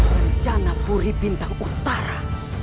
rencana puri bintang utara